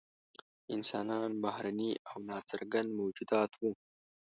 انسانان بهرني او نا څرګند موجودات وو.